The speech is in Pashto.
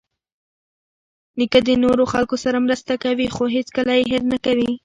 نیکه د نورو خلکو سره مرسته کوي، خو هیڅکله یې هېر نه کوي.